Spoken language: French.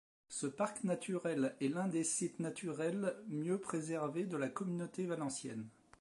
Ce parc naturel est l’un des sites naturels mieux préservés de la Communauté valencienne.